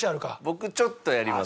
僕ちょっとやります。